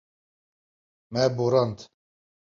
Me borand.